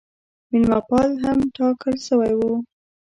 مېلمه پال هم ټاکل سوی وو.